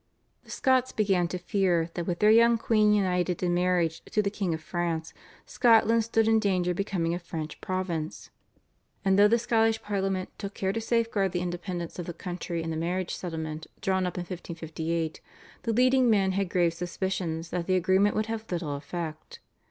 The Scots began to fear that with their young queen united in marriage to the King of France Scotland stood in danger of becoming a French province, and though the Scottish Parliament took care to safeguard the independence of the country in the marriage settlement drawn up in 1558, the leading men had grave suspicions that the agreement would have little effect.